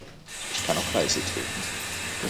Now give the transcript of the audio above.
Ich kann auch leise treten.